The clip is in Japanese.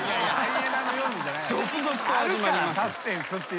サスペンスって。